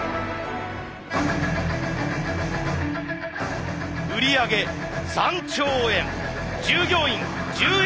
売り上げ３兆円従業員１１万７，０００人。